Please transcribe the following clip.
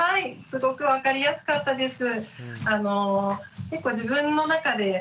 すごく分かりやすかったです。